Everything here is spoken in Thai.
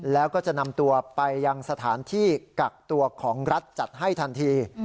แล้วก็จะนำตัวไปยังสถานที่กักตัวของรัฐจัดให้ทันที